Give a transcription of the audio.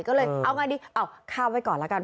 ก็เลยเอาไงดีข้าวไว้ก่อนละกัน